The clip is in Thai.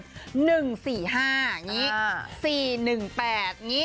๑๔๕อย่างนี้